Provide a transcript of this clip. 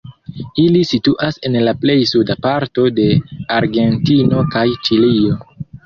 Ili situas en la plej suda parto de Argentino kaj Ĉilio.